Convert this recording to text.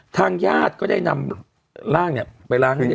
ทางญาติก็ได้นำร่างเนี่ยไปล้างให้